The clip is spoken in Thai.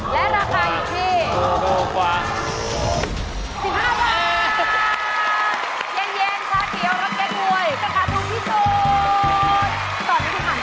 เย็นช้าเทียวรับแก้งบ่วยราคาถูกที่สุด